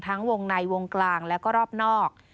วงในวงกลางแล้วก็รอบนอก